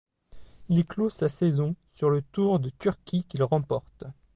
Il clot sa saison sur le Tour de Turquie qu'il remporte.